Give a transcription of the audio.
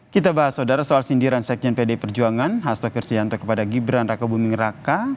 kita bahas saudara soal sindiran sekjen pd perjuangan hasto kristianto kepada gibran raka buming raka